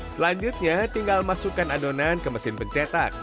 selanjutnya tinggal masukkan adonan ke mesin pencetak